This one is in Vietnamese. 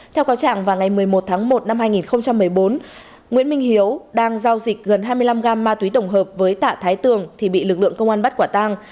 theo cáo trạng vào ngày một mươi một tháng một năm hai nghìn một mươi bốn nguyễn minh hiếu đang giao dịch gần hai mươi năm gam ma túy tổng hợp với tạ thái tường thì bị lực lượng công an bắt quả tang